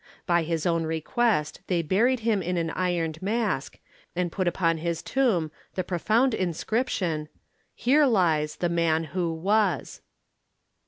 By his own request they buried him in an Ironed Mask, and put upon his tomb the profound inscription "HERE LIES THE MAN WHO WAS."